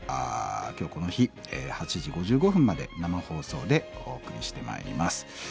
今日この日８時５５分まで生放送でお送りしてまいります。